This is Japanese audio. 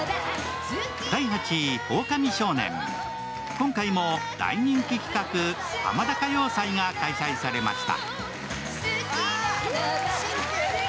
今回も大人気企画「ハマダ歌謡祭」が開催されました。